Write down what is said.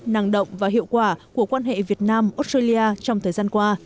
năng động và hiệu quả của quan hệ việt nam australia trong thời gian qua